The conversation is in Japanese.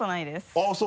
あっそう。